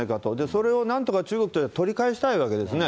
それをなんとか中国としては取り返したいわけですね。